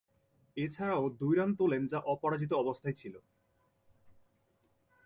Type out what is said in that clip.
এছাড়াও দুই রান তোলেন যা অপরাজিত অবস্থায় ছিল।